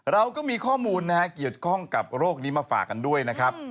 เราก็มีข้อมูลนะฮะเกี่ยวข้องกับโรคนี้มาฝากกันด้วยนะครับ